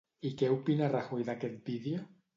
I què opina Rajoy d'aquest vídeo?